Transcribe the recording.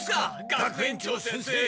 学園長先生！